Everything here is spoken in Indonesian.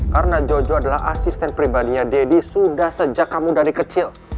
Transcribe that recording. karena jojo adalah asisten pribadinya deddy sudah sejak kamu dari kecil